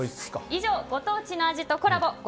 以上、ご当地の味とコラボ